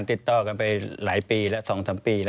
ควิทยาลัยเชียร์สวัสดีครับ